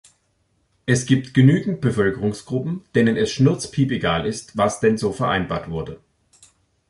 Es gibt genügend Bevölkerungsgruppen, denen es schnurzpiepegal ist, was denn so vereinbart wurde.